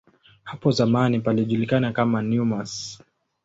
Hapo zamani palijulikana kama "Nemours".